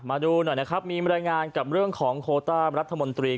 มาดูหน่อยนะครับมีบรรยายงานกับเรื่องของโคต้ารัฐมนตรี